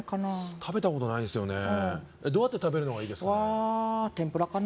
食べたことないんですよねどうやって食べるのがいいですかは天ぷらかな